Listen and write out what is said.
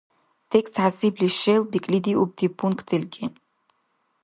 Текст хӀясибли шел бекӀлидиубти пункт делкӀен